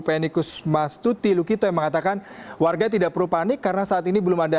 penikus mas tuti lukito yang mengatakan warga tidak perlu panik karena saat ini belum ada